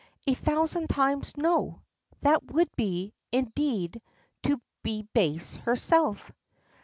A thousand times no! That would be, indeed, to be base herself.